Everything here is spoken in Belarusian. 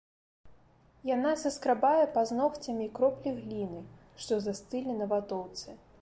Яна саскрабае пазногцямі кроплі гліны, што застылі на ватоўцы.